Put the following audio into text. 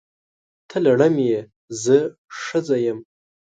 ته لړم یې! زه ښځه یم.